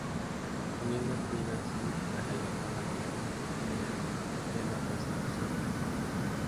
Poniendo fin así, a la llamada Guerra Cristera y a la persecución religiosa.